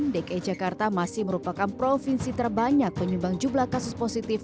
dki jakarta masih merupakan provinsi terbanyak penyumbang jumlah kasus positif